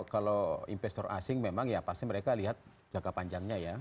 kalau investor asing memang ya pasti mereka lihat jangka panjangnya ya